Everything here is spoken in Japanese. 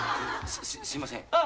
すいません。